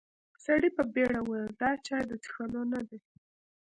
سړي په بيړه وويل: دا چای د څښلو نه دی.